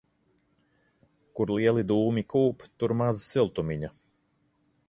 Kur lieli dūmi kūp, tur maz siltumiņa.